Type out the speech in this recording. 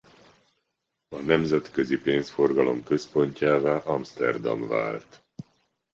A nemzetközi pénzforgalom központjává Amszterdam vált.